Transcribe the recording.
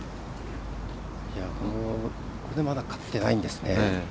ここでまだ勝ってないんですね。